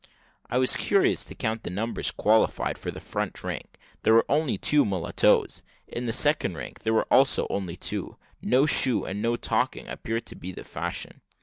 I was curious to count the numbers qualified for the front rank; there were only two mulattoes. In the second rank there were also only two. No shoe and no 'tocking appeared to be the fashion.